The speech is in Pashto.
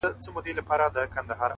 خو د سندرو په محل کي به دي ياده لرم!